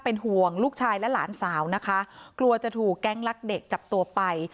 เป็นห่วงลูกชายและหลานสาวนะคะกลัวจะถูกแก๊งลักเด็กจับตัวไป